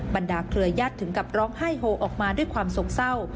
บรรดาเครือญาติถึงกับร้องไห้โฮออกมาด้วยความโศกเศร้า